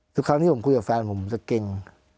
ทุกครั้งที่ผมคุยกับแฟนผมจะเก่ง